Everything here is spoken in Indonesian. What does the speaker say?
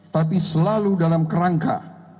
tapi selalu dalam kerangka